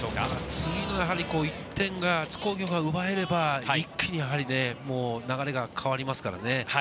次の１点を津工業が奪えれば一気に流れが変わりますからね。